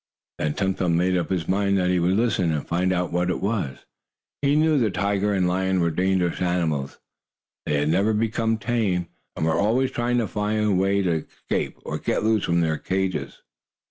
Then Tum Tum made up his mind that he would listen and find out what it was. He knew the tiger and lion were dangerous animals. They had never become tame, and were always trying to find a way to escape, or get loose from their cages.